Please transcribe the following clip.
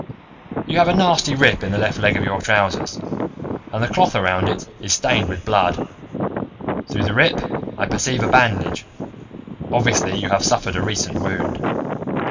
"You have a nasty rip in the left leg of your trousers, and the cloth around it is stained with blood. Through the rip, I perceive a bandage. Obviously, you have suffered a recent wound.